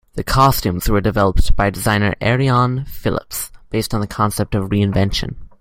The costumes were developed by designer Arianne Phillips based on the concept of re-invention.